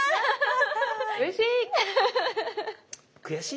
うれしい！